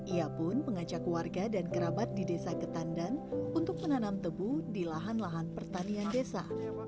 ia pun mengajak warga dan kerabat di desa ketandan untuk menanam tebu di lahan lahan pertanian desa